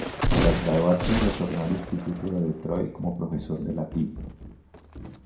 Tras graduarse retornó al instituto de Detroit como profesor de latín.